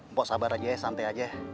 mpok sabar aja ya santai aja